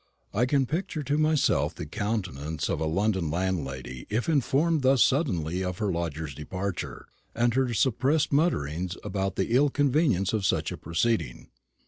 I can picture to myself the countenance of a London landlady if informed thus suddenly of her lodger's departure, and her suppressed mutterings about the ill convenience of such a proceeding.